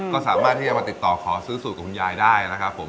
ก็สามารถที่จะมาติดต่อขอซื้อสูตรกับคุณยายได้นะครับผม